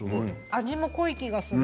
味も濃い気がする。